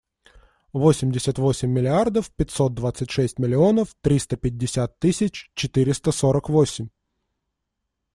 Восемьдесят восемь миллиардов пятьсот двадцать шесть миллионов триста пятьдесят тысяч четыреста сорок восемь.